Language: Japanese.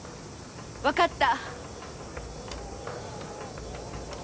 分かった。